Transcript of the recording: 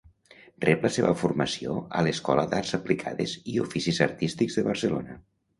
Rep la seva formació a l'Escola d'Arts Aplicades i Oficis Artístics de Barcelona.